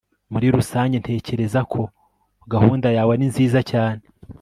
muri rusange, ntekereza ko gahunda yawe ari nziza cyane